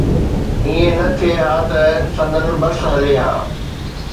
ائين نه ٿئي ها ته سندن بس هلي ها.